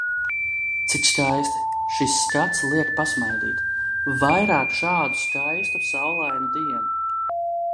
Cik skaisti. Šis skats liek pasmaidīt! vairāk šādu skaistu, saulainu dienu.